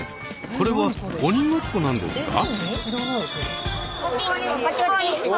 これは鬼ごっこなんですか？